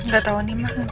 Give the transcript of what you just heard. gak tau nih mak